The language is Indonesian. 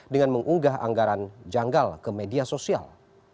dengan mengunggah anggaran janggal ke media sosial